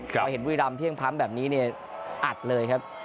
พอเห็นบุรีรำเที่ยงพร้ำแบบนี้เนี่ยอัดเลยครับ